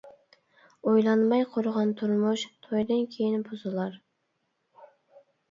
ئويلانماي قۇرغان تۇرمۇش، تويدىن كېيىن بۇزۇلار.